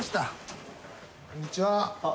「こんにちは。